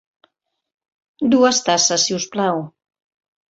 Dues tasses, si us plau.